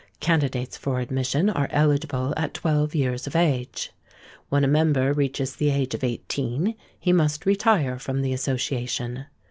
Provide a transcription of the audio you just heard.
Candidates for admission are eligible at twelve years of age. When a member reaches the age of eighteen, he must retire from the association.